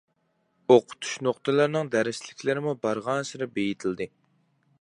ئوقۇتۇش نۇقتىلىرىنىڭ دەرسلىكلىرىمۇ بارغانسېرى بېيىتىلدى.